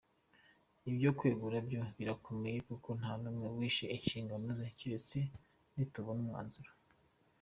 Ibyo kwegura byo birakomeye kuko nta n’umwe wishe inshingano ze, keretse nitubona umwanzuro.